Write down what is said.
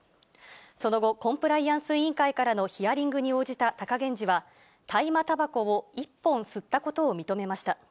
その後、コンプライアンス委員会からのヒアリングに応じた貴源治は、大麻たばこを１本吸ったことを認めました。